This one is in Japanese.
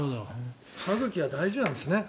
歯茎は大事なんですね。